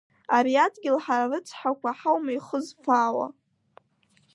Ари адгьыл ҳара рыцҳақәа ҳаума ихызфаауа.